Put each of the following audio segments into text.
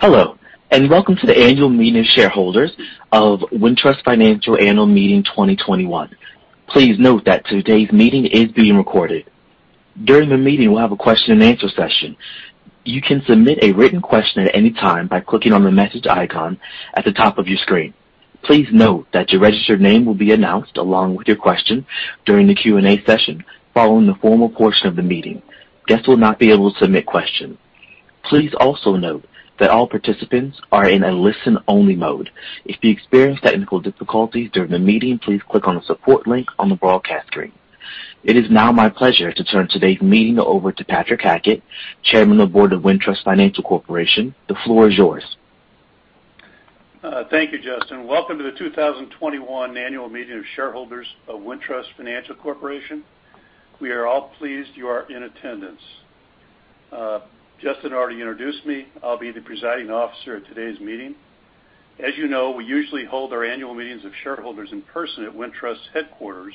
Hello, and welcome to the annual meeting of shareholders of Wintrust Financial Annual Meeting 2021. Please note that today's meeting is being recorded. During the meeting, we'll have a question-and-answer session. You can submit a written question at any time by clicking on the message icon at the top of your screen. Please note that your registered name will be announced along with your question during the Q&A session, following the formal portion of the meeting. Guests will not be able to submit questions. Please also note that all participants are in a listen-only mode. If you experience technical difficulties during the meeting, please click on the support link on the broadcast screen. It is now my pleasure to turn today's meeting over to Patrick Hackett, Chairman of the Board of Wintrust Financial Corporation. The floor is yours. Thank you, Justin. Welcome to the 2021 Annual Meeting of Shareholders of Wintrust Financial Corporation. We are all pleased you are in attendance. Justin already introduced me. I'll be the presiding officer at today's meeting. As you know, we usually hold our annual meetings of shareholders in person at Wintrust's headquarters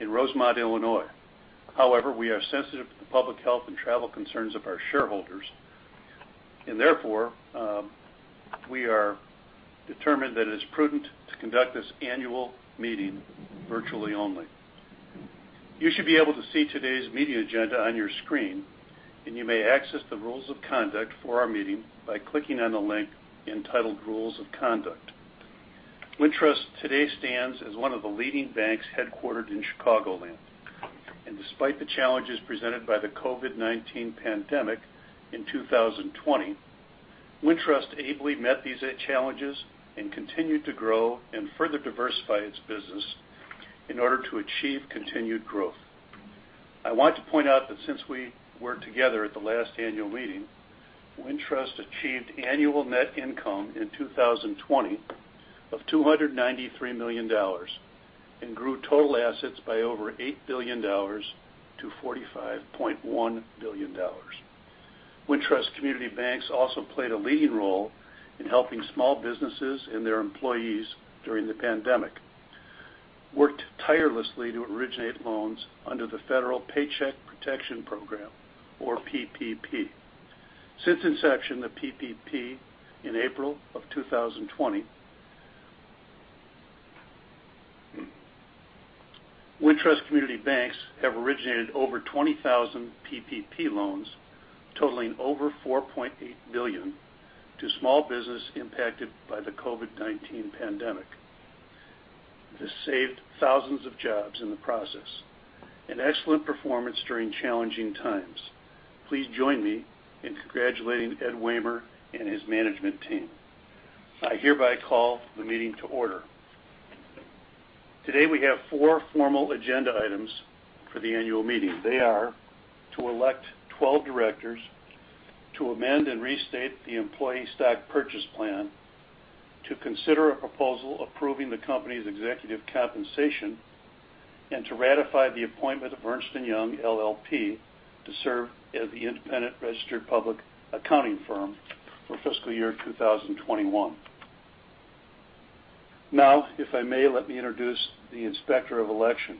in Rosemont, Illinois. However, we are sensitive to the public health and travel concerns of our shareholders. Therefore, we are determined that it's prudent to conduct this annual meeting virtually only. You should be able to see today's meeting agenda on your screen, and you may access the rules of conduct for our meeting by clicking on the link entitled Rules of Conduct. Wintrust today stands as one of the leading banks headquartered in Chicagoland. Despite the challenges presented by the COVID-19 pandemic in 2020, Wintrust ably met these challenges and continued to grow and further diversify its business in order to achieve continued growth. I want to point out that since we were together at the last annual meeting, Wintrust achieved annual net income in 2020 of $293 million and grew total assets by over $8 billion to $45.1 billion. Wintrust community banks also played a leading role in helping small businesses and their employees during the pandemic, worked tirelessly to originate loans under the Federal Paycheck Protection Program or PPP. Since inception of PPP in April of 2020, Wintrust community banks have originated over 20,000 PPP loans totaling over $4.8 billion to small business impacted by the COVID-19 pandemic. This saved thousands of jobs in the process. An excellent performance during challenging times. Please join me in congratulating Ed Wehmer and his management team. I hereby call the meeting to order. Today we have four formal agenda items for the annual meeting. They are to elect 12 directors, to amend and restate the employee stock purchase plan, to consider a proposal approving the company's executive compensation, and to ratify the appointment of Ernst & Young LLP to serve as the independent registered public accounting firm for fiscal year 2021. If I may, let me introduce the Inspector of Election.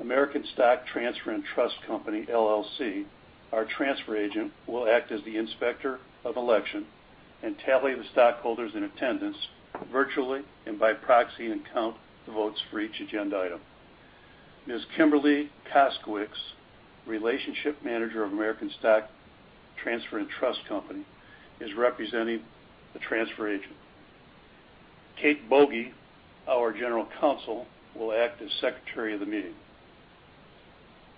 American Stock Transfer & Trust Company, LLC, our transfer agent, will act as the Inspector of Election and tally the stockholders in attendance virtually and by proxy and count the votes for each agenda item. Ms. Kimberly Kaskowitz, Relationship Manager of American Stock Transfer & Trust Company, is representing the transfer agent. Kathleen M. Boege, our general counsel, will act as Secretary of the meeting.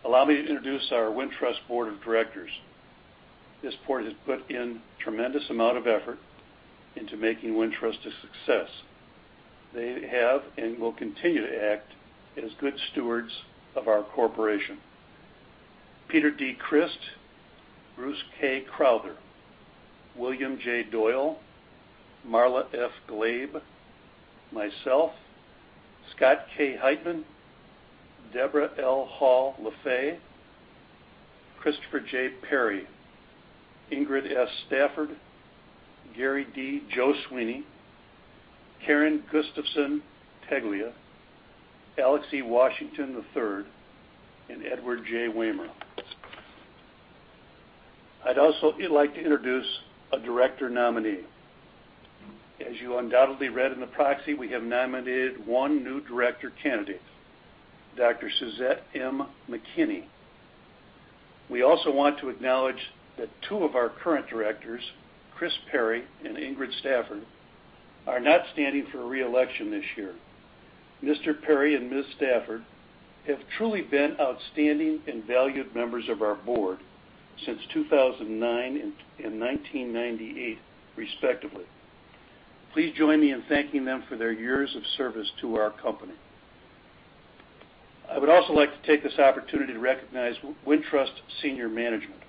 Allow me to introduce our Wintrust Board of Directors. This board has put in a tremendous amount of effort into making Wintrust a success. They have and will continue to act as good stewards of our corporation. Peter D. Crist, Bruce K. Crowder, William J. Doyle, Marla F. Glabe, myself, Scott K. Heitman, Deborah L. Hall LeFevre, Christopher J. Perry, Ingrid S. Stafford, Gary D. Joswiak, Karin Gustafson Teglia, Alex E. Washington III, and Edward J. Wehmer. I'd also like to introduce a director nominee. As you undoubtedly read in the proxy, we have nominated one new director candidate, Dr. Suzette M. McKinney. We also want to acknowledge that two of our current directors, Chris Perry and Ingrid Stafford, are not standing for re-election this year. Mr. Perry and Ms. Stafford have truly been outstanding and valued members of our board since 2009 and 1998, respectively. Please join me in thanking them for their years of service to our company. I would also like to take this opportunity to recognize Wintrust senior management.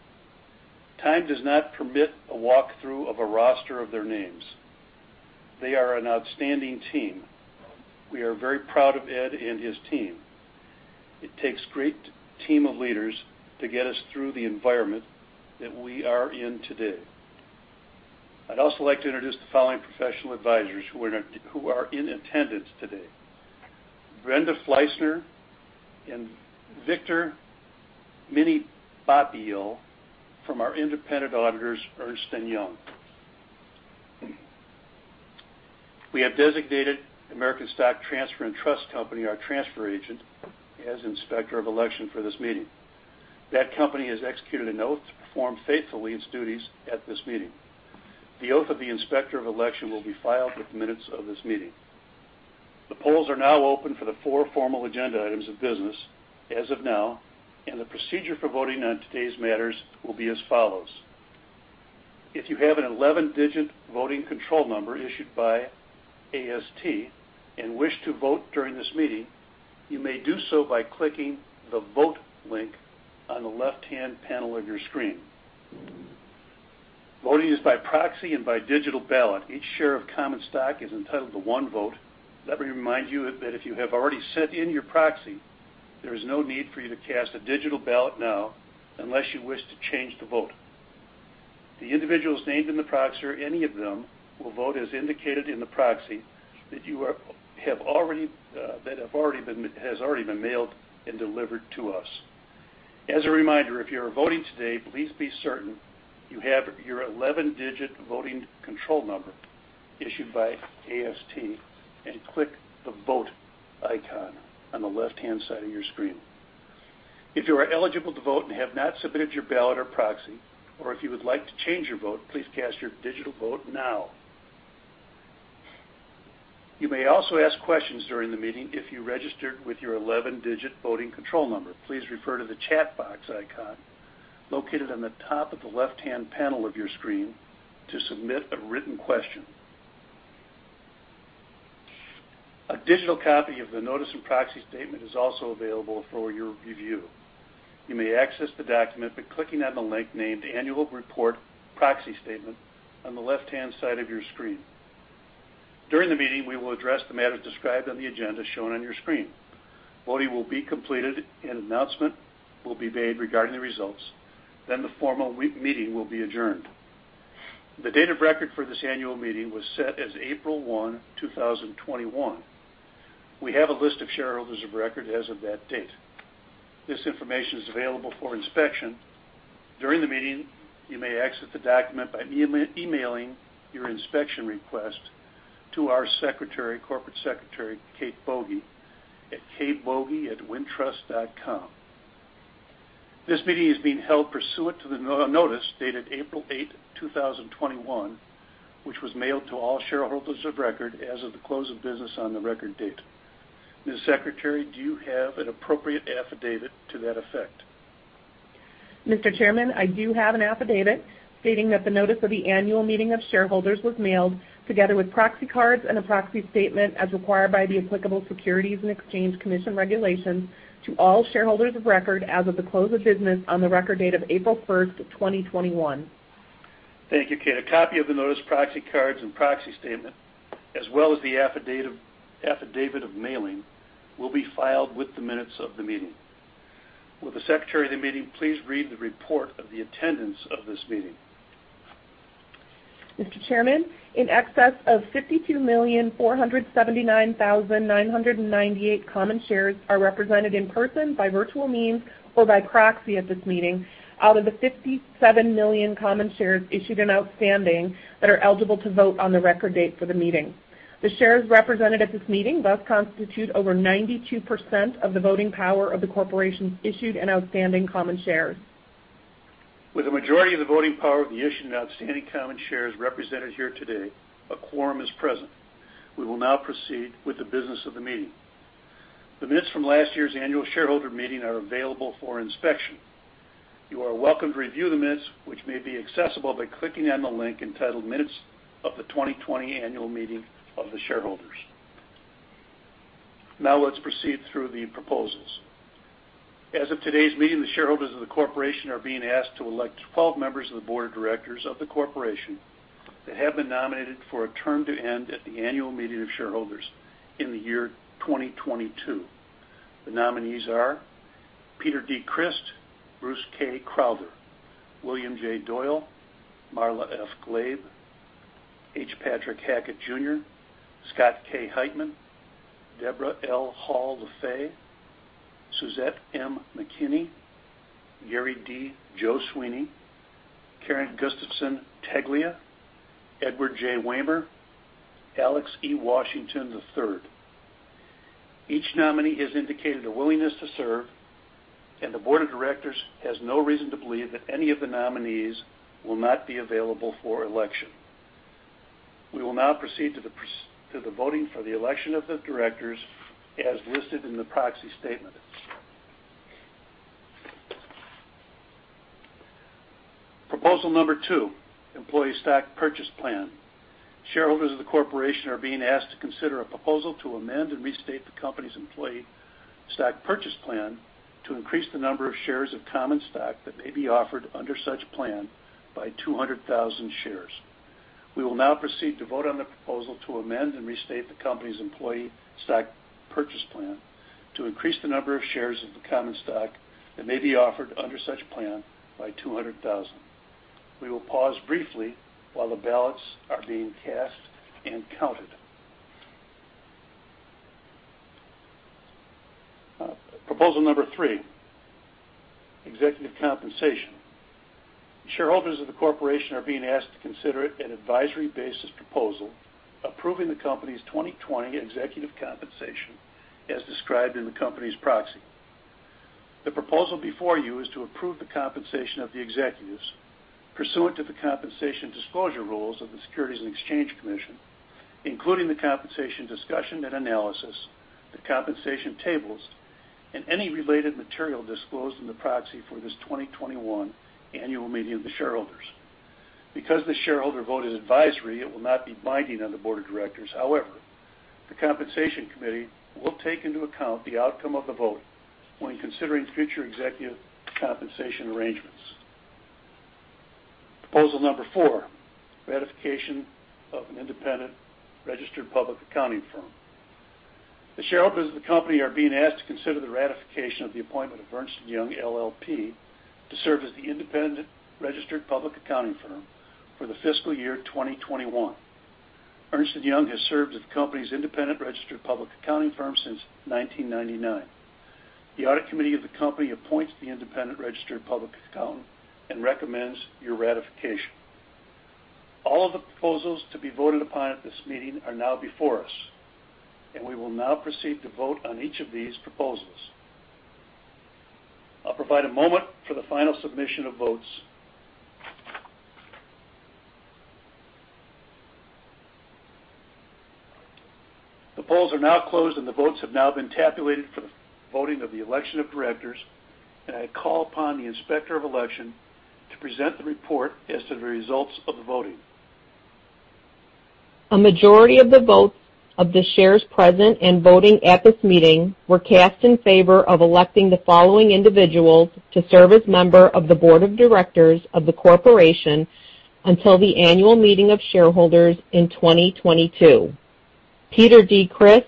Time does not permit a walkthrough of a roster of their names. They are an outstanding team. We are very proud of Ed and his team. It takes a great team of leaders to get us through the environment that we are in today. I'd also like to introduce the following professional advisors who are in attendance today. Brenda Fleissner, and Victor Minipapillo from our independent auditors, Ernst & Young. We have designated American Stock Transfer & Trust Company, our transfer agent, as inspector of election for this meeting. That company has executed an oath to perform faithfully its duties at this meeting. The oath of the inspector of election will be filed with the minutes of this meeting. The polls are now open for the four formal agenda items of business as of now, and the procedure for voting on today's matters will be as follows. If you have an 11-digit voting control number issued by AST and wish to vote during this meeting, you may do so by clicking the Vote link on the left-hand panel of your screen. Voting is by proxy and by digital ballot. Each share of common stock is entitled to one vote. Let me remind you that if you have already sent in your proxy, there is no need for you to cast a digital ballot now unless you wish to change the vote. The individuals named in the proxy or any of them will vote as indicated in the proxy that has already been mailed and delivered to us. As a reminder, if you are voting today, please be certain you have your 11-digit voting control number issued by AST and click the Vote icon on the left-hand side of your screen. If you are eligible to vote and have not submitted your ballot or proxy, or if you would like to change your vote, please cast your digital vote now. You may also ask questions during the meeting if you registered with your 11-digit voting control number. Please refer to the chat box icon located on the top of the left-hand panel of your screen to submit a written question. A digital copy of the notice and proxy statement is also available for your review. You may access the document by clicking on the link named Annual Report Proxy Statement on the left-hand side of your screen. During the meeting, we will address the matters described on the agenda shown on your screen. Voting will be completed, an announcement will be made regarding the results, then the formal meeting will be adjourned. The date of record for this annual meeting was set as April 1, 2021. We have a list of shareholders of record as of that date. This information is available for inspection during the meeting. You may access the document by emailing your inspection request to our corporate secretary, Kate Boege at kateboge@wintrust.com. This meeting is being held pursuant to the notice dated April 8, 2021, which was mailed to all shareholders of record as of the close of business on the record date. Ms. Secretary, do you have an appropriate affidavit to that effect? Mr. Chairman, I do have an affidavit stating that the notice of the annual meeting of shareholders was mailed together with proxy cards and a proxy statement as required by the applicable Securities and Exchange Commission regulations to all shareholders of record as of the close of business on the record date of April 1, 2021. Thank you, Kate. A copy of the notice, proxy cards, and proxy statement, as well as the affidavit of mailing, will be filed with the minutes of the meeting. Will the secretary of the meeting please read the report of the attendance of this meeting? Mr. Chairman, in excess of 52,479,998 common shares are represented in person, by virtual means, or by proxy at this meeting out of the 57 million common shares issued and outstanding that are eligible to vote on the record date for the meeting. The shares represented at this meeting thus constitute over 92% of the voting power of the corporation's issued and outstanding common shares. With the majority of the voting power of the issued and outstanding common shares represented here today, a quorum is present. We will now proceed with the business of the meeting. The minutes from last year's annual shareholder meeting are available for inspection. You are welcome to review the minutes, which may be accessible by clicking on the link entitled Minutes of the 2020 Annual Meeting of the Shareholders. Let's proceed through the proposals. As of today's meeting, the shareholders of the corporation are being asked to elect 12 members of the board of directors of the corporation that have been nominated for a term to end at the annual meeting of shareholders in the year 2022. The nominees are Peter D. Crist, Bruce K. Crowder, William J. Doyle, Marla F. Glabe, H. Patrick Hackett Jr., Scott K. Heitman, Deborah L. Hall-Lafay, Suzette M. McKinney, Gary D. Gary D. Joswiak, Karin Gustafson Teglia, Edward J. Wehmer, Alex E. Washington III. Each nominee has indicated a willingness to serve, and the board of directors has no reason to believe that any of the nominees will not be available for election. We will now proceed to the voting for the election of the directors as listed in the proxy statement. Proposal number 2, Employee Stock Purchase Plan. Shareholders of the Corporation are being asked to consider a proposal to amend and restate the Company's Employee Stock Purchase Plan to increase the number of shares of common stock that may be offered under such plan by 200,000 shares. We will now proceed to vote on the proposal to amend and restate the company's employee stock purchase plan to increase the number of shares of the common stock that may be offered under such plan by 200,000. We will pause briefly while the ballots are being cast and counted. Proposal number 3, executive compensation. Shareholders of the corporation are being asked to consider an advisory basis proposal approving the company's 2020 executive compensation as described in the company's proxy. The proposal before you is to approve the compensation of the executives pursuant to the compensation disclosure rules of the Securities and Exchange Commission, including the compensation discussion and analysis, the compensation tables, and any related material disclosed in the proxy for this 2021 annual meeting of shareholders. Because the shareholder vote is advisory, it will not be binding on the board of directors. The compensation committee will take into account the outcome of the vote when considering future executive compensation arrangements. Proposal number four, ratification of an independent registered public accounting firm. The shareholders of the company are being asked to consider the ratification of the appointment of Ernst & Young LLP to serve as the independent registered public accounting firm for the fiscal year 2021. Ernst & Young has served as the company's independent registered public accounting firm since 1999. The audit committee of the company appoints the independent registered public accountant and recommends your ratification. All of the proposals to be voted upon at this meeting are now before us, and we will now proceed to vote on each of these proposals. I'll provide a moment for the final submission of votes. The polls are now closed, and the votes have now been tabulated for the voting of the election of directors, and I call upon the inspector of election to present the report as to the results of the voting. A majority of the votes of the shares present and voting at this meeting were cast in favor of electing the following individuals to serve as member of the board of directors of the corporation until the annual meeting of shareholders in 2022. Peter D. Crist,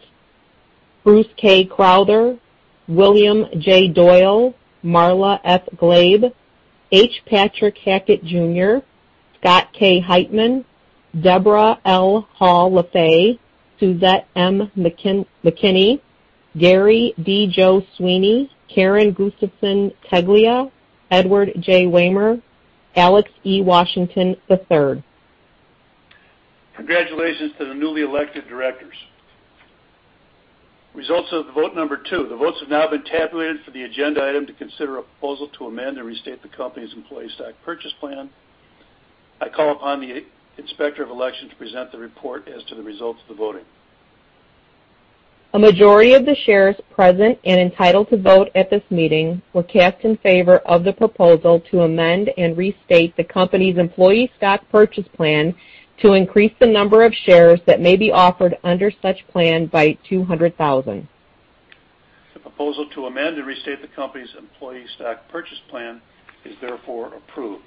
Bruce K. Crowder, William J. Doyle, Marla F. Glabe, H. Patrick Hackett Jr., Scott K. Heitman, Deborah L. Hall Lefevre, Suzette M. McKinney, Gary D. Joswiak, Karin Gustafson Teglia, Edward J. Wehmer, Alex E. Washington III. Congratulations to the newly elected directors. Results of the vote number two. The votes have now been tabulated for the agenda item to consider a proposal to amend and restate the company's Employee Stock Purchase Plan. I call upon the inspector of election to present the report as to the results of the voting. A majority of the shares present and entitled to vote at this meeting were cast in favor of the proposal to amend and restate the company's employee stock purchase plan to increase the number of shares that may be offered under such plan by 200,000. The proposal to amend and restate the company's employee stock purchase plan is therefore approved.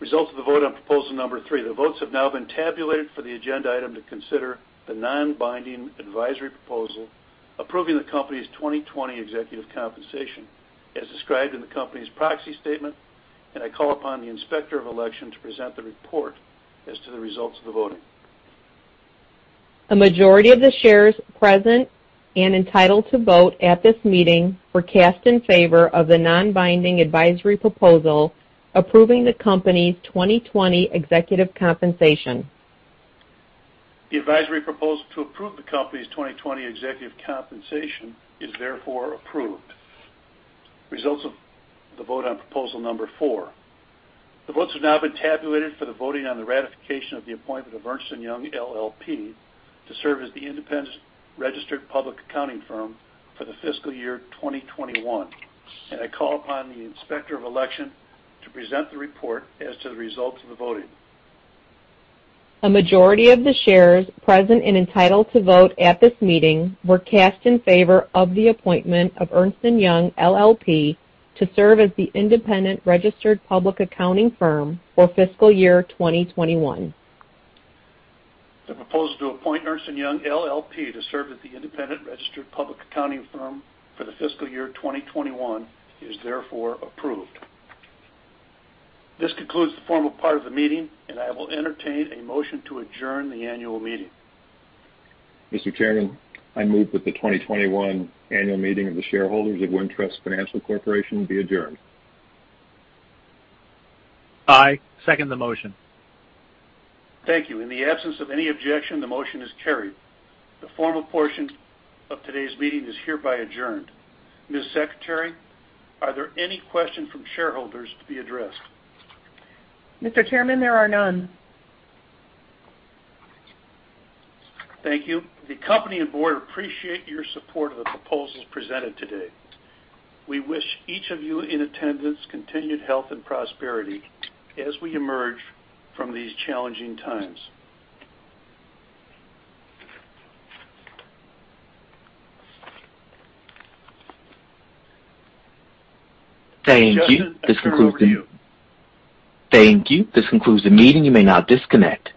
Results of the vote on proposal number three. The votes have now been tabulated for the agenda item to consider the non-binding advisory proposal approving the company's 2020 executive compensation as described in the company's proxy statement, I call upon the inspector of election to present the report as to the results of the voting. A majority of the shares present and entitled to vote at this meeting were cast in favor of the non-binding advisory proposal approving the company's 2020 executive compensation. The advisory proposal to approve the company's 2020 executive compensation is therefore approved. Results of the vote on proposal number four. The votes have now been tabulated for the voting on the ratification of the appointment of Ernst & Young LLP to serve as the independent registered public accounting firm for the fiscal year 2021. I call upon the inspector of election to present the report as to the results of the voting. A majority of the shares present and entitled to vote at this meeting were cast in favor of the appointment of Ernst & Young LLP to serve as the independent registered public accounting firm for fiscal year 2021. The proposal to appoint Ernst & Young LLP to serve as the independent registered public accounting firm for the fiscal year 2021 is therefore approved. This concludes the formal part of the meeting, and I will entertain a motion to adjourn the annual meeting. Mr. Chairman, I move that the 2021 annual meeting of the shareholders of Wintrust Financial Corporation be adjourned. I second the motion. Thank you. In the absence of any objection, the motion is carried. The formal portion of today's meeting is hereby adjourned. Ms. Secretary, are there any questions from shareholders to be addressed? Mr. Chairman, there are none. Thank you. The company and board appreciate your support of the proposals presented today. We wish each of you in attendance continued health and prosperity as we emerge from these challenging times. Thank you. This concludes the- Gentlemen, we're with you. Thank you. This concludes the meeting. You may now disconnect.